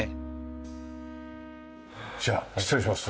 じゃあ失礼します。